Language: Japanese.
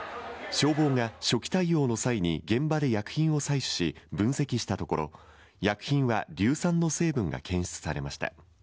消防が初期対応の際に、現場で薬品を採取し、分析したところ、薬品は硫酸の成分が検出されました。